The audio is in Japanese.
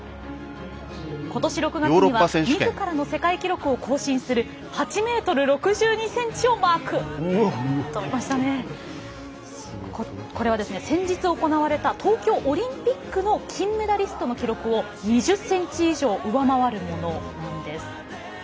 ことし６月にはみずからの世界記録を更新する８ｍ６２ｃｍをマークこれは先日行われた東京オリンピックの金メダリストの記録を２０ｃｍ以上上回るものなんです。